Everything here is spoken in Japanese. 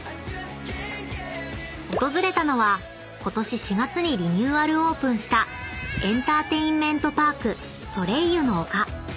［訪れたのはことし４月にリニューアルオープンしたエンターテインメントパーク］